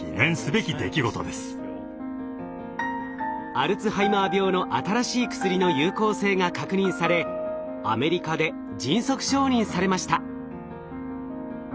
アルツハイマー病の新しい薬の有効性が確認されアメリカで迅速承認されました。